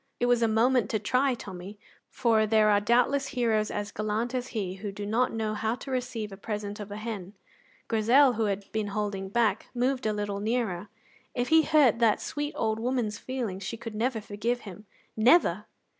It was a moment to try Tommy, for there are doubtless heroes as gallant as he who do not know how to receive a present of a hen. Grizel, who had been holding back, moved a little nearer. If he hurt that sweet old woman's feelings, she could never forgive him never!